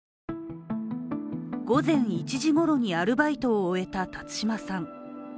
午前１時ごろにアルバイトを終えた辰島さん。